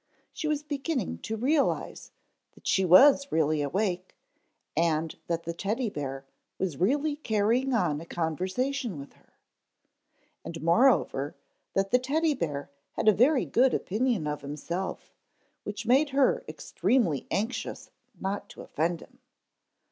She was beginning to realize that she was really awake and that the Teddy bear was really carrying on a conversation with her. And, moreover, that the Teddy bear had a very good opinion of himself, which made her extremely anxious not to offend him.